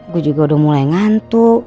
gue juga udah mulai ngantuk